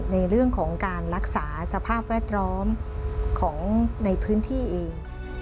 ในเรื่องของการรักษาสภาพแวดล้อมของในพื้นที่เอง